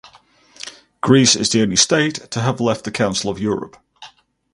Greece is the only state to have left the Council of Europe.